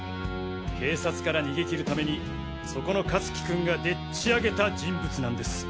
警察から逃げきるためにそこの香月君がデッチあげた人物なんです。